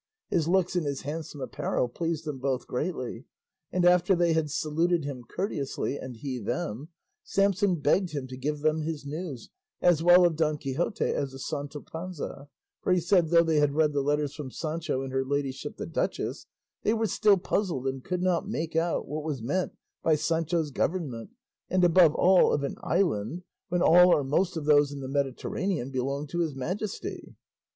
His looks and his handsome apparel pleased them both greatly; and after they had saluted him courteously, and he them, Samson begged him to give them his news, as well of Don Quixote as of Sancho Panza, for, he said, though they had read the letters from Sancho and her ladyship the duchess, they were still puzzled and could not make out what was meant by Sancho's government, and above all of an island, when all or most of those in the Mediterranean belonged to his Majesty.